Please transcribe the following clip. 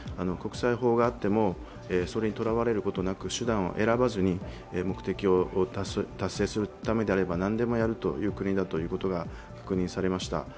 国際法があっても、それにとらわれることなく手段を選ばずに目的を達成するためであれば何でもやるという国だということが確認されました。